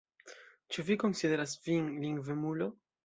Ĉu vi konsideras vin lingvemulo?